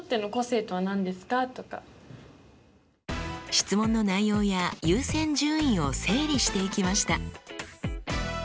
質問の内容や優先順位を整理していきました。